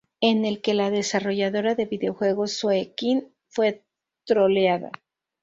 en el que la desarrolladora de videojuegos Zoë Quinn fue troleada